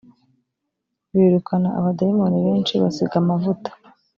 birukana abadayimoni benshi basiga amavuta